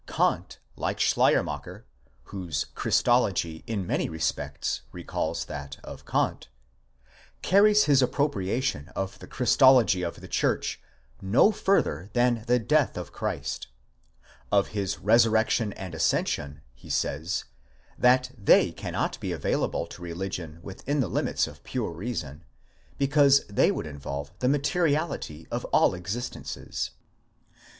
* Kant, like Schleiermacher (whose Christology in many respects recalls that of Kant),° carries his appropriation of the Christology of the church no further than the death of Christ: of his resurrection and ascension, he says, that they cannot be available to religion within the limits of pure reason, because they would involve the materiality of all existences.